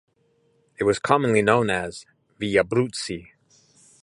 It was commonly known as "Villabruzzi".